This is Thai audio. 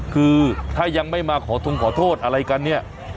คือถ้ายังไม่มาขอทงขอโทษอะไรกันเนี่ย